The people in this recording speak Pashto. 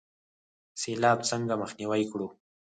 سیلاب څنګه مخنیوی کړو؟